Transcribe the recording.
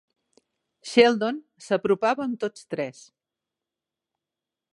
Sheldon s"apropava amb tots tres.